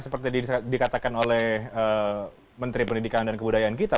seperti dikatakan oleh menteri pendidikan dan kebudayaan kita